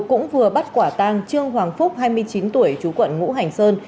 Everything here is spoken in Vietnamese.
cũng vừa bắt quả tang trương hoàng phúc hai mươi chín tuổi chú quận ngũ hành sơn